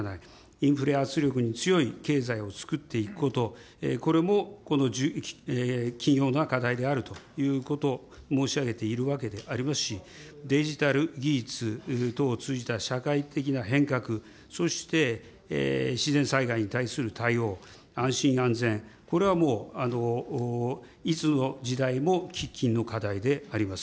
インフレ圧力に強い経済をつくっていくこと、これも、この緊要な課題であるということ、申し上げているわけでありますし、デジタル技術等を通じた社会的な変革、そして、自然災害に対する対応、安心・安全、これはもう、いつの時代も喫緊の課題であります。